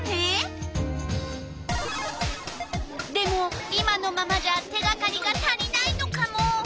でも今のままじゃ手がかりが足りないのカモ。